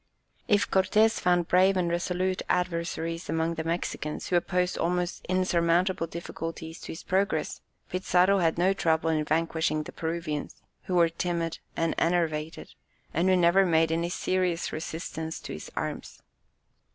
If Cortès found brave and resolute adversaries among the Mexicans, who opposed almost insurmountable difficulties to his progress, Pizarro had no trouble in vanquishing the Peruvians, who were timid and enervated, and who never made any serious resistance to his arms.